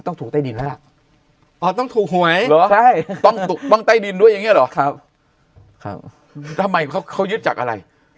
ต้องต้องต้องตั้งใต้ดินด้วยอย่างนี้เหรอทำไมเขายึดจากอะไร